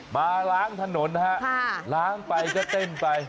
มาล้างถนนฮะล้างไปก็เต้นไป